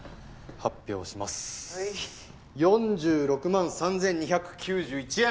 ４６万３２９１円。